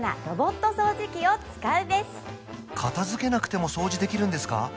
片付けなくても掃除できるんですか？